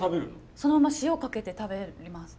そのまま塩かけて食べます。